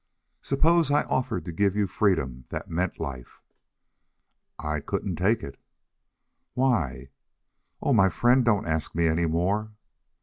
"Suppose I offered to give you freedom that meant life?" "I couldn't take it." "Why?" "Oh, my friend, don't ask me any more."